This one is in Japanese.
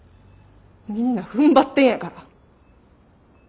みんなふんばってるんやから。